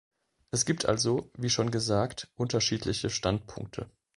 Es gibt also, wie schon gesagt, unterschiedliche Standpunkte.